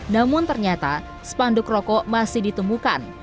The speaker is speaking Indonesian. namun ternyata spanduk rokok masih ditemukan